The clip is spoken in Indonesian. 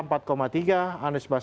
pak yusuf kala empat tiga